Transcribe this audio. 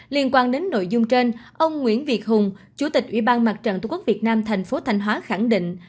liên quan đến nội dung trên ông nguyễn việt hùng chủ tịch ủy ban mặt trận tổ quốc việt nam thành phố thanh hóa khẳng định